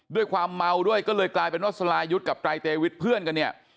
ด้วยความเมาด้วยก็เลยกลายเป็นว่าสลายุทธ์กับไตรเตวิทเพื่อนกันเนี่ย